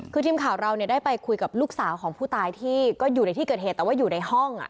คือทีมข่าวเราเนี่ยได้ไปคุยกับลูกสาวของผู้ตายที่ก็อยู่ในที่เกิดเหตุแต่ว่าอยู่ในห้อง